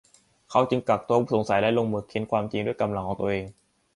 เขาจึงกักตัวผู้ต้องสงสัยและลงมือเค้นความจริงด้วยกำลังของตัวเอง